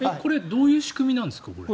どういう仕組みなんですか？